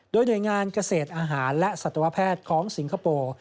โดยหน่วยงานเกษตรอาหารและสัตวแพทย์ของสิงคโปร์